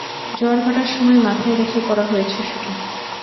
জোয়ার ভাটার সময় মাথায় রেখে করা হয়েছে শুটিং।